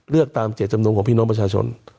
เลือกตามเจตจำนงของพี่น้องประชาชน